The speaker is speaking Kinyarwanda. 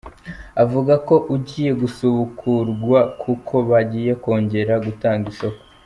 Avuga ko ugiye gusubukurwa kuko bagiye kongera gutanga isoko.